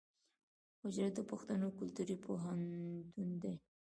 حجره د پښتنو کلتوري پوهنتون دی.